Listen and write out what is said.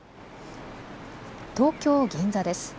東京銀座です。